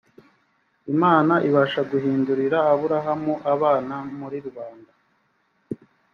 imana ibasha guhindurira aburahamu abana muri rubanda